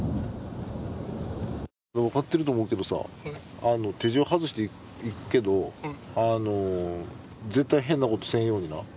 分かってると思うけどさ、手錠外して行くけど絶対、変なことせんようにな。